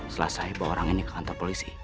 selesai bawa orang ini ke kantor polisi